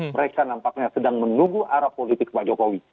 mereka nampaknya sedang menunggu arah politik pak jokowi